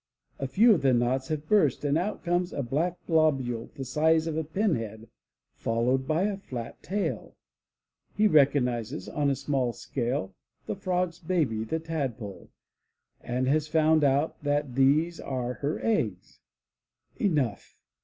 a few of the knots have burst, and out comes a black globule the size of a pinhead, followed by a flat tail. He recognizes, on a small scale, the Frog's baby, the Tadpole, and has found out that these are her eggs. Enough